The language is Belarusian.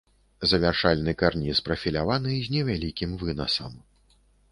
Завяршальны карніз прафіляваны, з невялікім вынасам.